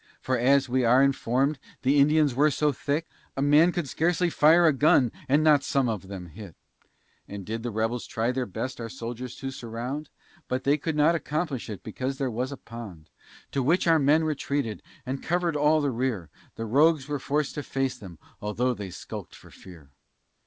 For as we are inform'd, the Indians were so thick A man could scarcely fire a gun and not some of them hit. Then did the rebels try their best our soldiers to surround, But they could not accomplish it, because there was a pond, To which our men retreated, and covered all the rear, The rogues were forc'd to face them, altho' they skulked for fear.